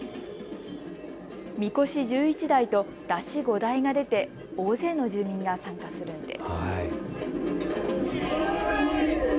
みこし１１台と山車５台が出て大勢の住民が参加するんです。